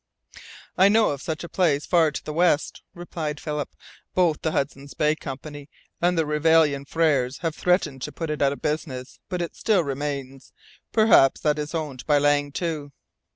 "I know of such a place far to the west," replied Philip. "Both the Hudson's Bay Company and Reveillon Freres have threatened to put it out of business, but it still remains. Perhaps that is owned by Lang, too."